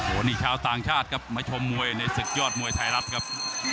วันนี้ชาวต่างชาติครับมาชมมวยในศึกยอดมวยไทยรัฐครับ